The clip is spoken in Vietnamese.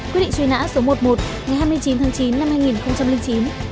quyết định truy nã số một mươi một hình hùng một mươi tháng chín năm hai nghìn chín